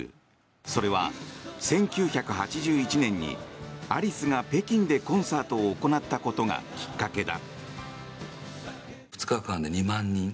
それは１９８１年にアリスが北京でコンサートを行ったことがきっかけだ。